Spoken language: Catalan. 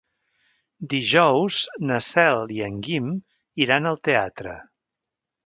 Dijous na Cel i en Guim iran al teatre.